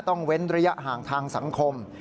เว้นระยะห่างทางสังคม